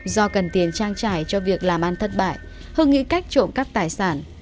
do cần tiền trang trải cho việc làm ăn thất bại hưng nghĩ cách trộm cắp tài sản